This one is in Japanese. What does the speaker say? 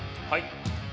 はい。